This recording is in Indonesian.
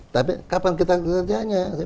tapi kapan kita kerjanya